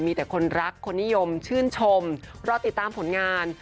มีแต่คนรักคนนิยมชื่นชมรอติดตามผลงาน